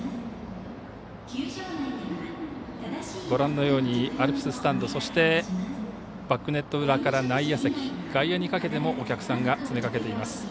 ご覧のように、アルプススタンドそしてバックネット裏から内野席、外野にかけてもお客さんが詰め掛けています。